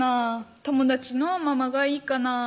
「友達のままがいいかなぁ」